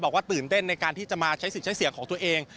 ตื่นเต้นในการที่จะมาใช้สิทธิ์ใช้เสียงของตัวเอง